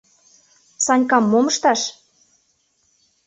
— Санькам мом ышташ?